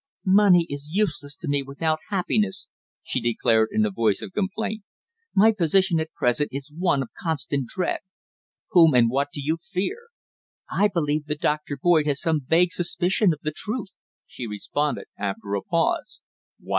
"Money is useless to me without happiness," she declared, in a voice of complaint. "My position at present is one of constant dread." "Whom and what do you fear?" "I believe that Dr. Boyd has some vague suspicion of the truth," she responded, after a pause. "What?"